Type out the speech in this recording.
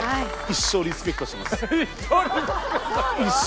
一生リスペクトします。